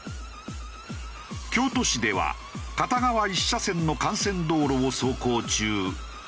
京都市では片側１車線の幹線道路を走行中。